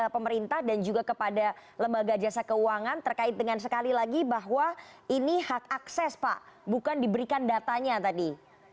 pemerintah dan juga kepada lembaga jasa keuangan terkait dengan sekali lagi bahwa ini hak akses pak bukan diberikan datanya tadi